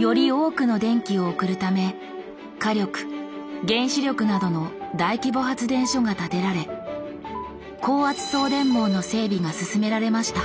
より多くの電気を送るため火力・原子力などの大規模発電所が建てられ高圧送電網の整備が進められました。